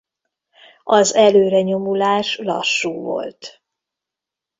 Az előrenyomulás lassú volt.